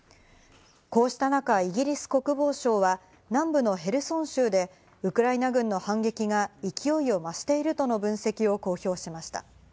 こうした中、イギリス国防省は南部のヘルソン州でウクライナ軍の反撃が勢いを増しているとの分析を公表しました。